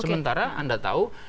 sementara anda tahu